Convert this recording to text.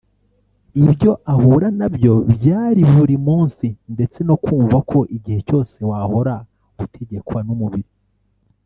ibyo ahura nabyo bya buri munsi ndetse no kumva ko igihe cyose wahora utegekwa n’umubiri